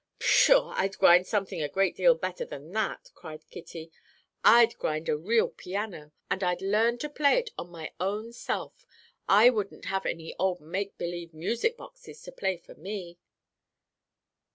"Pshaw, I'd grind something a great deal better than that," cried Kitty. "I'd grind a real piano, and I'd learn to play on it my own self. I wouldn't have any old make believe music boxes to play for me."